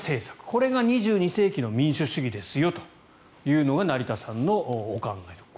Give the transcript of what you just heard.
これが２２世紀の民主主義ですよというのが成田さんのお考えだと。